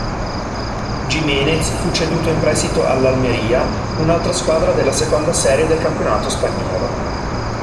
Jiménez fu ceduto in prestito all'Almería, un'altra squadra della seconda serie del campionato spagnolo.